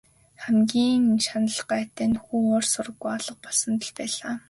Хамгийн шаналгаатай нь хүү ор сураггүй алга болсонд л байлаа.